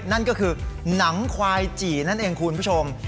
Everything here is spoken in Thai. นั่นก็คือหนังควายจี่นั่นเองคุณผู้ชม